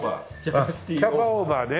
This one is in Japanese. あっキャパオーバーね。